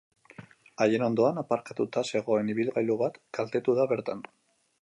Haien ondoan aparkatuta zegoen ibilgailu bat kaltetu da bertan.